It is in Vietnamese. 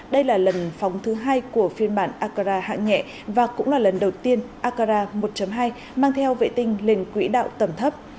đây là lần phóng thứ hai của phiên bản akara hạng nhẹ và cũng là lần đầu tiên akara một hai mang theo vệ tinh lên quỹ đạo tầm thấp